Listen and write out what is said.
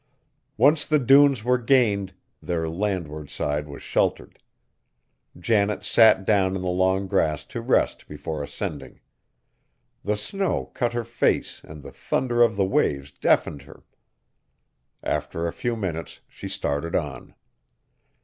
Once the dunes were gained, their landward side was sheltered. Janet sat down in the long grass to rest before ascending. The snow cut her face and the thunder of the waves deafened her. After a few minutes she started on.